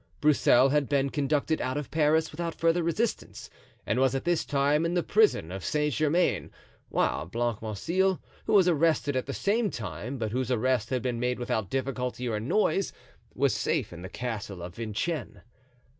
Broussel had been conducted out of Paris without further resistance, and was at this time in the prison of Saint Germain; while Blancmesnil, who was arrested at the same time, but whose arrest had been made without difficulty or noise, was safe in the Castle of Vincennes.